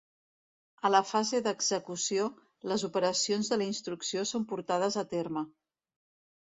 A la fase d'execució, les operacions de la instrucció són portades a terme.